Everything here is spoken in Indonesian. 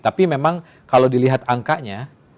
tapi memang kalau dilihat angkanya